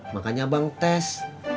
makanya abang tes